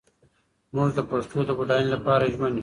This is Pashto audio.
موږ د پښتو د بډاینې لپاره ژمن یو.